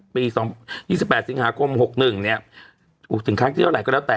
ปี๒๘สิงหาคม๖๑เนี่ยถูกถึงครั้งที่เท่าไหร่ก็แล้วแต่